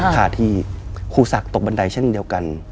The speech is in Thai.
ขาดที่ครูศักดิ์ตกบันไดเช่นเดียวกัน